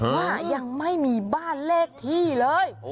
ว่ายังไม่มีบ้านเลขที่เลย